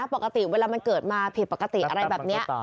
ปกติเวลามันเกิดมาผิดปกติอะไรแบบนี้